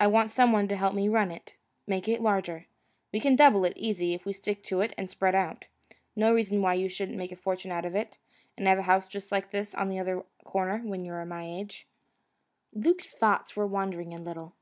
I want some one to help me run it, make it larger. We can double it, easy, if we stick to it and spread out. No reason why you shouldn't make a fortune out of it, and have a house just like this on the other corner, when you're my age." Luke's thoughts were wandering a little.